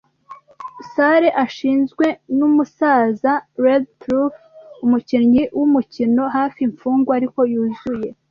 salle ashinzwe numusaza Redruth, umukinyi wumukino, hafi imfungwa, ariko yuzuye